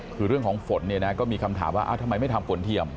คือเรื่องของฝนเนี่ยนะก็มีคำถามว่าทำไมไม่ทำฝนเทียม